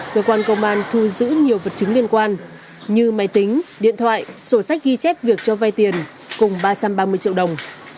cơ quan công an thu giữ nhiều vật chứng liên quan như máy tính điện thoại sổ sách ghi chép việc cho vai tiền cùng ba trăm ba mươi triệu đồng